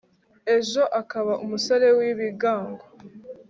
ejo akaba umusore w'ibigango